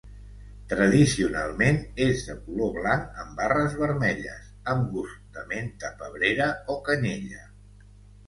Tradicionalment és de color blanc amb barres vermelles, amb gust de menta pebrera o canyella.